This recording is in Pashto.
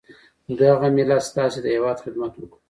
دغه ملت ستاسي د هیواد خدمت وکړو.